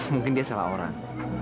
mungkin dia salah orang